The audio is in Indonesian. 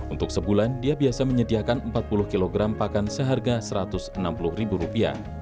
untuk sebulan dia biasa menyediakan empat puluh kg pakan seharga rp satu ratus enam puluh